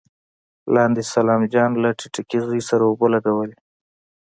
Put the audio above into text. لاندې سلام جان له ټيټکي زوی سره اوبه لګولې.